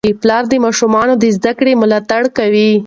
پلار د ماشومانو د زده کړې ملاتړ کوي.